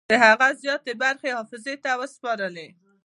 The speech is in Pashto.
د هغه زیاتې برخې یې حافظې ته وسپارلې.